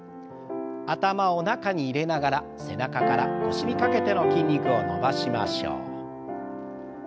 頭を中に入れながら背中から腰にかけての筋肉を伸ばしましょう。